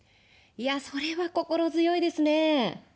いやあ、それは心強いですね。